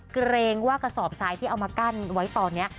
เกรงว่ากระสอบทรายที่เอามากั้นไว้ตอนนี้